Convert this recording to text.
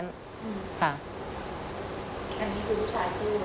อันนี้คือลูกชายพูด